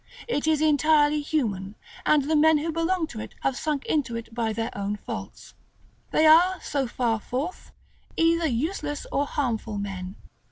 It is entirely human, and the men who belong to it have sunk into it by their own faults. They are, so far forth, either useless or harmful men.